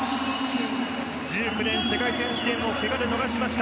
１９年、世界選手権をけがで逃しました。